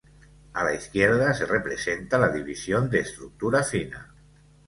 A la izquierda, se representa la división de estructura fina.